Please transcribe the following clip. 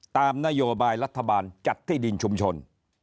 ตามนโยบายรัฐบาลจัดที่ดินชุมชน